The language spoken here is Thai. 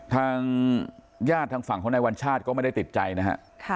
ทางญาติทางฝั่งของนายวัญชาติก็ไม่ได้ติดใจนะฮะ